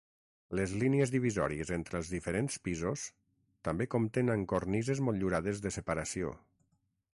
Les línies divisòries entre els diferents pisos també compten amb cornises motllurades de separació.